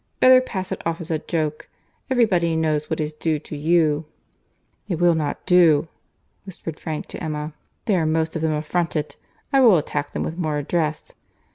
Better pass it off as a joke. Every body knows what is due to you." "It will not do," whispered Frank to Emma; "they are most of them affronted. I will attack them with more address.